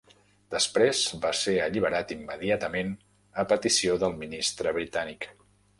Després va ser alliberat immediatament a petició del ministre britànic.